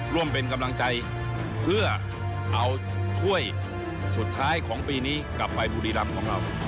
ร่วมเป็นกำลังใจเพื่อเอาถ้วยสุดท้ายของปีนี้กลับไปบุรีรำของเรา